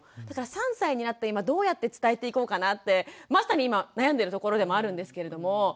だから３歳になった今どうやって伝えていこうかなってまさに今悩んでるところでもあるんですけれども。